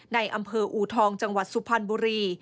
ในอำเภออูทองจังหวัดสุพรรณบุรี